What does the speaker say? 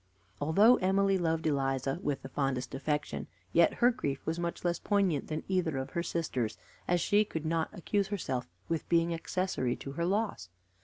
Although Emily loved Eliza with the fondest affection, yet her grief was much less poignant than either of her sisters', as she could not accuse herself with being accessory to her loss.